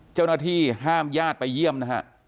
เจ้าหน้าที่ห้ามญาติไปเยี่ยมนะฮะ